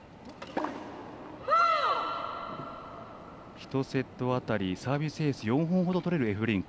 １セットあたりサービスエース４本ほど取れるエフベリンク。